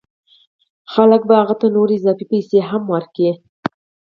خلک به هغه ته نورې اضافه پیسې هم ورکوي